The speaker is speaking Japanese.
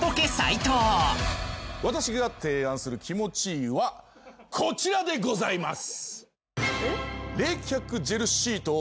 私が提案する「気持ちいい」はこちらでございます。